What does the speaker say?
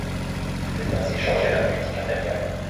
Il veut ainsi changer la politique impériale.